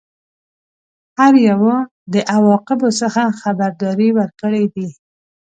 هر یوه د عواقبو څخه خبرداری ورکړی دی.